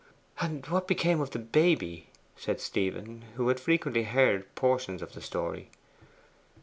'And what became of the baby?' said Stephen, who had frequently heard portions of the story.